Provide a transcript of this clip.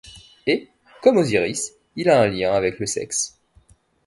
Et, comme Osiris, il a un lien avec le sexe.